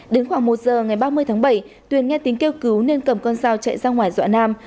đến khoảng một giờ ngày ba mươi tháng bảy tuyền nghe tiếng kêu cứu nên cầm con dao chạy ra ngoài dọa nam